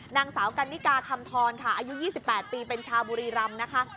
นางสาวกันนิกาคำทรค่ะอายุ๒๘ปีเป็นชาวบุรีรำนะคะ